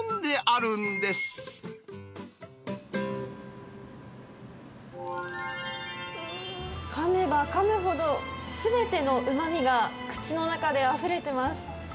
うーん、かめばかむほどすべてのうまみが口の中であふれてます。